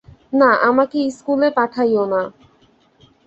না, আমাকে ইস্কুলে পাঠাইয়ো না।